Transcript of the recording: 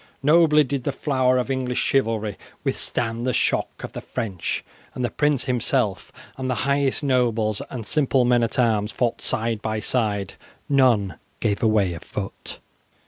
Nobly did the flower of English chivalry withstand the shock of the French, and the prince himself and the highest nobles and simple men at arms fought side by side. None gave away a foot.